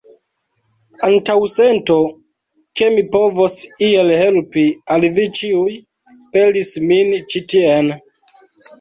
Antaŭsento, ke mi povos iel helpi al vi ĉiuj, pelis min ĉi tien.